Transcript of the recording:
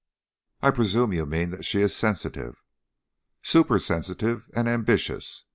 "I presume you mean that she is sensitive." "Supersensitive! And ambitious!